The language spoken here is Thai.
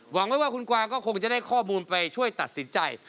หวังไว้ว่าคุณกวางก็คงจะได้ข้อมูลไปช่วยตัดสินใจ